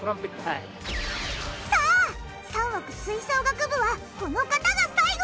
さあ３枠吹奏楽部はこの方が最後。